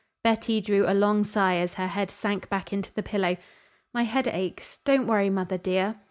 Betty drew a long sigh as her head sank back into the pillow. "My head aches; don't worry, mother, dear."